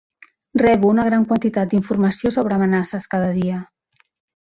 Rebo una gran quantitat d'informació sobre amenaces cada dia.